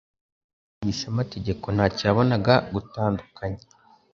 umwigishamategeko ntacyo yabonaga gutandukanye